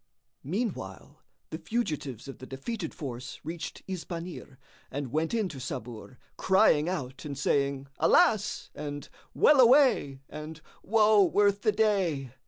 Meanwhile, the fugitives of the defeated force reached Isbanir and went in to Sabur, crying out and saying, "Alas!" and "Well away!" and "Woe worth the day!"